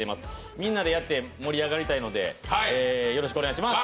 みんなでやって盛り上がりたいので、よろしくお願いします。